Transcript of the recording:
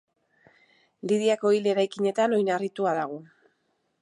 Lidiako hil eraikinetan oinarritua dago.